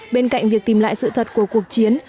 bên cạnh việc tìm lại sự thật của cuộc chiến